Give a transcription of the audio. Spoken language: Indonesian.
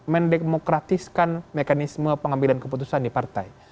mendekmokratiskan mekanisme pengambilan keputusan di partai